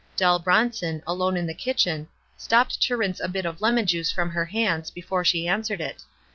Dell Bronson, alone in the kitchen, stopped to rinse a bit of lemon juice from her hands before she answered it.